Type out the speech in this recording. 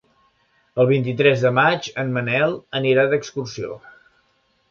El vint-i-tres de maig en Manel anirà d'excursió.